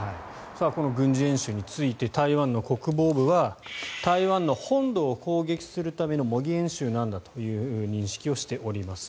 この軍事演習について台湾の国防部は台湾の本土を攻撃するための模擬演習なんだという認識を示しています。